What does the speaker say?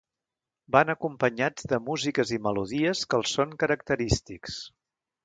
Van acompanyats de músiques i melodies que els són característics.